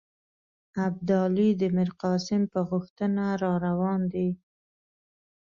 ابدالي د میرقاسم په غوښتنه را روان دی.